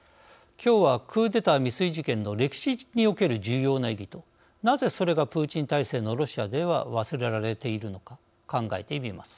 きょうはクーデター未遂事件の歴史における重要な意義となぜそれがプーチン体制のロシアでは忘れられているのか考えてみます。